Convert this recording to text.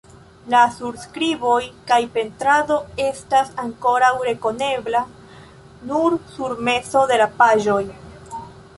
La surskriboj kaj pentrado estas ankoraŭ rekonebla nur sur mezo de la paĝoj.